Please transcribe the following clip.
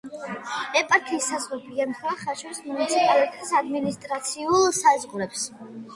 ეპარქიის საზღვრები ემთხვევა ხაშურის მუნიციპალიტეტის ადმინისტრაციულ საზღვრებს.